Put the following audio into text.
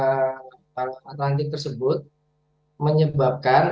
di mana kondisi geografis masing masing daerah tersebut menyebabkan